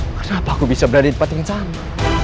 kenapa aku bisa berada di tempat yang sama